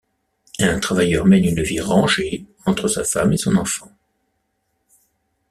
Un travailleur mène une vie rangée entre sa femme et son enfant.